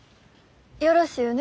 よろしゅうね。